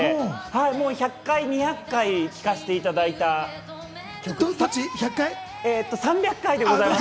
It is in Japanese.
１００回、２００回聴かせていただいた曲です。